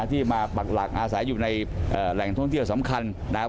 ที่มาปักหลักอาศัยอยู่ในแหล่งท่องเที่ยวสำคัญนะครับ